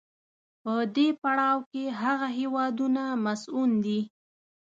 په دې پړاو کې هغه هېوادونه مصون دي.